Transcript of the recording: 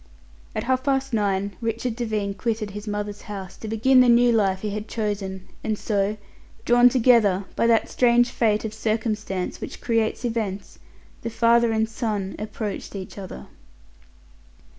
At half past nine Richard Devine quitted his mother's house to begin the new life he had chosen, and so, drawn together by that strange fate of circumstances which creates events, the father and son approached each other.